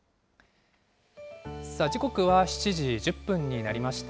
さあ、時刻は７時１０分になりました。